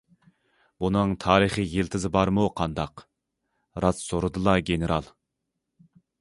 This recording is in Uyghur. بۇنىڭ تارىخىي يىلتىزى بارمۇ، قانداق؟- راست سورىدىلا، گېنېرال.